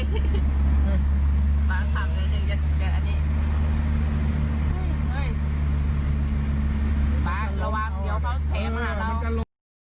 รอว้างเดี๋ยวเขาแถวมาเราเป้นอย่างนี้จะเปล่า